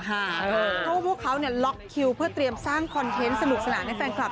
เพราะว่าพวกเขาล็อกคิวเพื่อเตรียมสร้างคอนเทนต์สนุกสนานให้แฟนคลับ